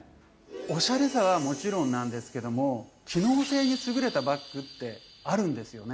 オシャレさはもちろんなんですけども機能性に優れたバッグってあるんですよね。